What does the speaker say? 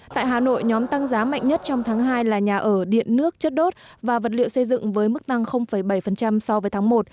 tại hà nội nhóm tăng giá mạnh nhất trong tháng hai là nhà ở điện nước chất đốt và vật liệu xây dựng với mức tăng bảy so với tháng một